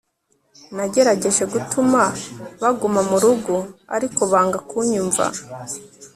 nagerageje gutuma baguma mu rugo, ariko banga kunyumva